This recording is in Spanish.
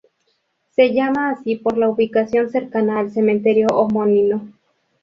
Se llama así por la ubicación cercana al cementerio homónimo.